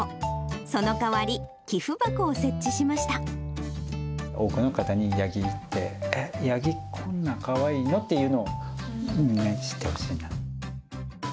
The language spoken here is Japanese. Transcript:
その代わり、多くの方にヤギって、ヤギ、こんなかわいいよというのを、みんなに知ってほしいな。